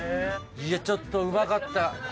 いやちょっとうまかった。